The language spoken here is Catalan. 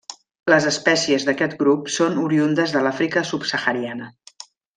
Les espècies d'aquest grup són oriündes de l'Àfrica subsahariana.